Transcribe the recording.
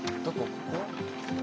ここ？